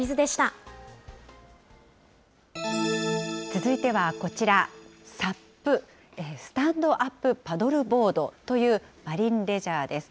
続いてはこちら、ＳＵＰ・スタンドアップパドルボードというマリンレジャーです。